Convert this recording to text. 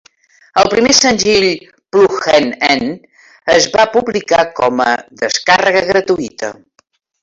El primer senzill, "Plugged In", es va publicar com a descàrrega gratuïta.